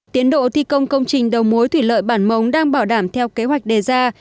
tiến độ thi công công trình đầu mối thủy lợi bản mồng đang bảo đảm theo kế hoạch đề ra